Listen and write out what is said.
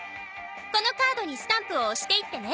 このカードにスタンプを押していってね。